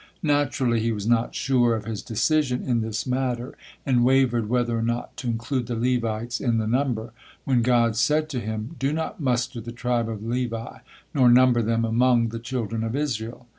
Naturally he was not sure of his decision in this matter, and wavered whether or not to include the Levites in the number, when God said to him: "Do not muster the tribe of Levi, nor number them among the children of Israel."